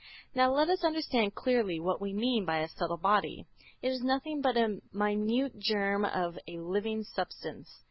Now let us understand clearly what we mean by a subtle body. It is nothing but a minute germ of a living substance.